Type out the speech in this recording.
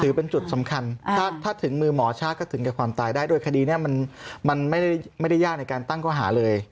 เป็นจุดสำคัญถ้าถึงมือหมอชาติก็ถึงแก่ความตายได้โดยคดีนี้มันไม่ได้ยากในการตั้งข้อหาเลย